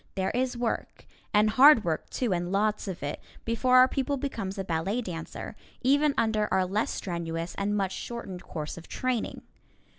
There is work, and hard work, too, and lots of it, before our pupil becomes a ballet dancer, even under our less strenuous and much shortened course of training.